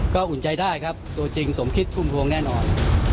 ก็อุ่นใจได้ครับตัวจริงสมคิดพุ่มพวงแน่นอน